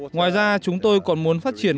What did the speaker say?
ngoài ra chúng tôi còn muốn phát triển